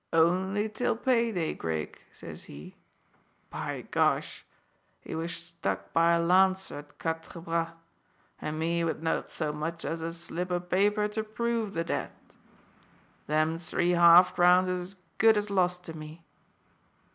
'Only till pay day, Grig,' says he. By Gosh! he was stuck by a lancer at Quatre Bras, and me with not so much as a slip o' paper to prove the debt! Them three half crowns is as good as lost to me."